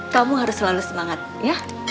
kamu harus selalu semangat ya